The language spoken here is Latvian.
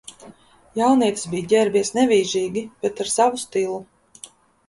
Jaunietis bija ģērbies nevīžīgi, bet ar savu stilu